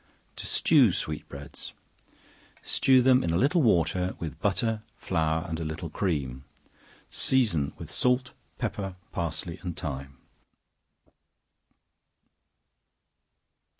To Stew Sweet Breads. Stew them in a little water, with butter, flour, and a little cream; season with salt, pepper, parsley and thyme.